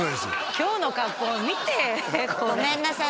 今日の格好見てごめんなさい